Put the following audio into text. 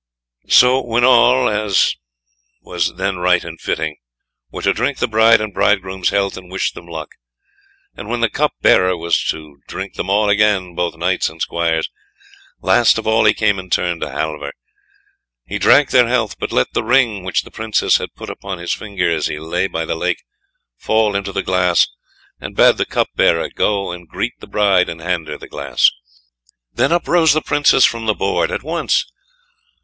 So when all, as was then right and fitting, were to drink the bride and bridegroom's health and wish them luck, and when the cupbearer was to drink to them all again, both knights and squires, last of all he came in turn to Halvor. He drank their health, but let the ring which the Princess had put upon his finger as he lay by the lake fall into the glass, and bade the cupbearer go and greet the bride and hand her the glass. Then up rose the Princess from the board at once.